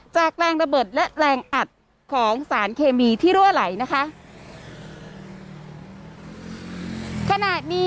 แรงระเบิดและแรงอัดของสารเคมีที่รั่วไหลนะคะ